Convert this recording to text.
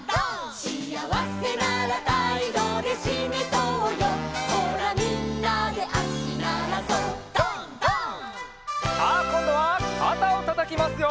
「」さあこんどはかたをたたきますよ。